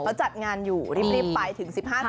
เขาจัดงานอยู่รีบไปถึง๑๕นาที